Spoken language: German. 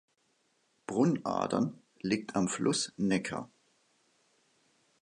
Brunnadern liegt am Fluss Necker.